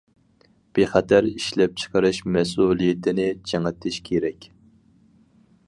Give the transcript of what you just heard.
بىخەتەر ئىشلەپچىقىرىش مەسئۇلىيىتىنى چىڭىتىش كېرەك.